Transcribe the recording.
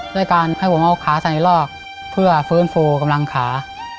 ด้วยการให้ผมเอาขาใส่ลอกเพื่อฟื้นฟูกำลังขา